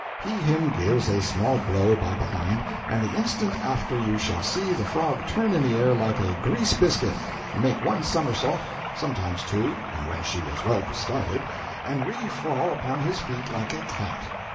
He him gives a small blow by behind, and the instant after you shall see the frog turn in the air like a grease biscuit, make one summersault, sometimes two, when she was well started, and refall upon his feet like a cat.